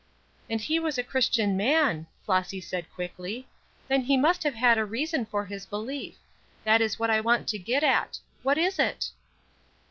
"And he was a Christian man," Flossy said, quickly. "Then he must have had a reason for his belief. That is what I want to get at. What was it?"